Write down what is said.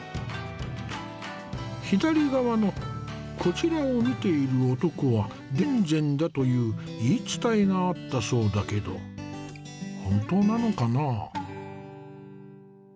左側のこちらを見ている男は田善だという言い伝えがあったそうだけど本当なのかな？